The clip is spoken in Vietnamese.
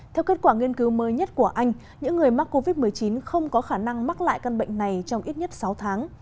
theo kết quả nghiên cứu mới nhất của anh những người mắc covid một mươi chín không có khả năng mắc lại căn bệnh này trong ít nhất sáu tháng